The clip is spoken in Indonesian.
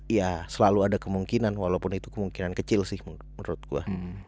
ya selalu ada kemungkinan walaupun itu kemungkinan kecil sih menurut gue